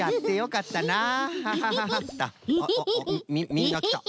みんなきた。